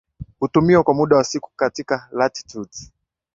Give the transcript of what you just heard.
hutumiwi kwa muda wa siku katika latitudes